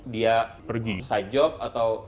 dia side job atau